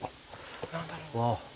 何だろう。